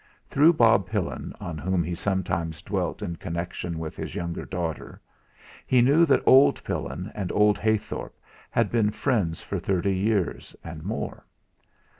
Through Bob Pillin, on whom he sometimes dwelt in connection with his younger daughter, he knew that old Pillin and old Heythorp had been friends for thirty years and more.